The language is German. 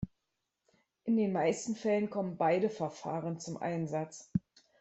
In den meisten Fällen kommen beide Verfahren zum Einsatz.